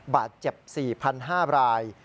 บาดเจ็บ๔๕ราย